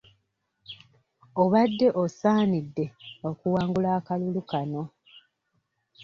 Obadde osaanidde okuwangula akalulu kano.